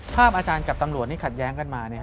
อาจารย์กับตำรวจที่ขัดแย้งกันมา